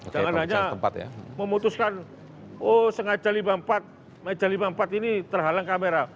jangan hanya memutuskan oh sengaja meja lima puluh empat ini terhalang kamera